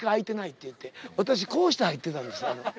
私こうして入ってたんです